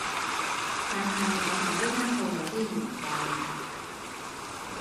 但係我同呢間鋪有啲緣份